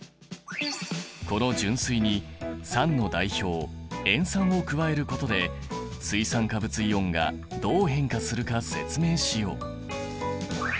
この純水に酸の代表塩酸を加えることで水酸化物イオンがどう変化するか説明しよう。